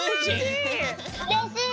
うれしい！